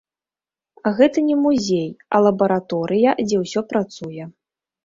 Гэта не музей, а лабараторыя, дзе ўсё працуе.